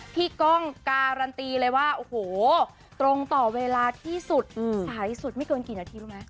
ก้องการันตีเลยว่าโอ้โหตรงต่อเวลาที่สุดสายสุดไม่เกินกี่นาทีรู้ไหม